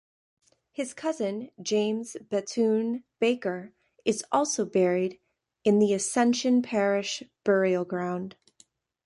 His cousin James Bethune-Baker is also buried in the Ascension Parish Burial Ground.